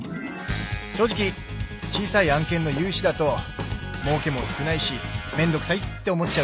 正直小さい案件の融資だともうけも少ないしめんどくさいって思っちゃうよね。